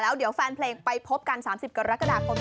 แล้วเดี๋ยวแฟนเพลงไปพบกัน๓๐กรกฎาคม